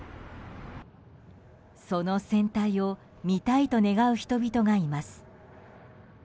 その船体を見たいと願う人々がいます。